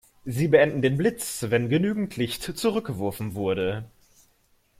Sie beenden den Blitz, wenn genügend Licht zurückgeworfen wurde.